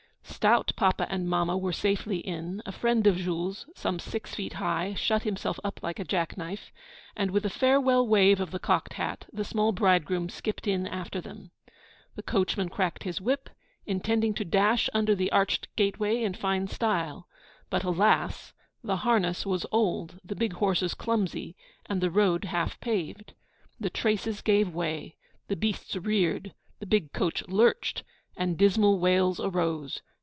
Stout papa and mamma were safely in; a friend of Jules, some six feet high, shut himself up like a jack knife; and with a farewell wave of the cocked hat, the small bridegroom skipped in after them. The coachman cracked his whip, intending to dash under the arched gateway in fine style. But alas! the harness was old, the big horses clumsy, and the road half paved. The traces gave way, the beasts reared, the big coach lurched, and dismal wails arose.